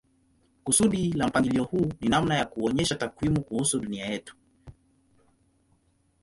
Kusudi la mpangilio huu ni namna ya kuonyesha takwimu kuhusu dunia yetu.